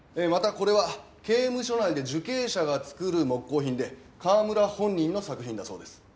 またこれは刑務所内で受刑者が作る木工品で川村本人の作品だそうです。